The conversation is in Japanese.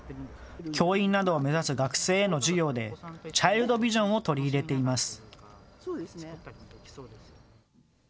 教員などを目指す学生への授業でチャイルドビジョンを取り入れています。